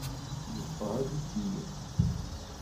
Yeffeɣ ad ikeyyef.